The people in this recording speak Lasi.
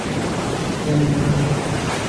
ايا بيمارَ